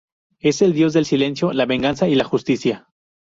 Es el dios del silencio, la venganza y la justicia.